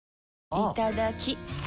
いただきっ！